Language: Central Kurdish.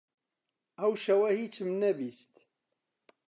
ئەو شەوە هیچم نەبیست.